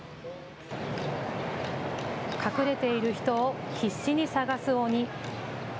隠れている人を必死に探す鬼。